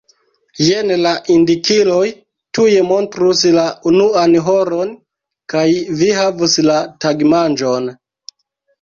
Jen la indikiloj tuj montrus la unuan horon kaj vi havus la tagmanĝon.